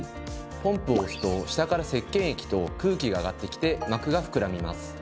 ポンプを押すと下からせっけん液と空気が上がってきて膜が膨らみます。